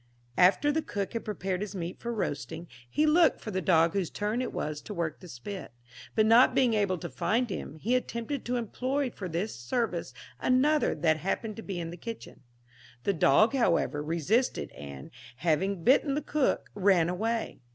After the cook had prepared his meat for roasting, he looked for the dog whose turn it was to work the spit, but not being able to find him, he attempted to employ for this service another that happened to be in the kitchen. The dog, however, resisted, and, having bitten the cook, ran away.